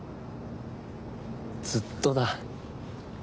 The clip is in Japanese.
ずっとだ。